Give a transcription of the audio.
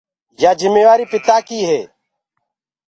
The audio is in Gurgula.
يآ جميوآريٚ پِتآ ڪيٚ هي